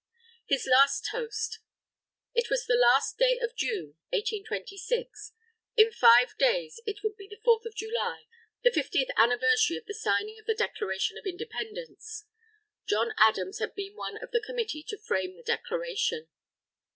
HIS LAST TOAST It was the last day of June, 1826. In five days, it would be the Fourth of July the Fiftieth Anniversary of the signing of the Declaration of Independence. John Adams had been one of the committee to frame the Declaration.